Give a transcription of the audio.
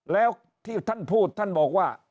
แล้วที่ท่านพูดท่านบอกว่า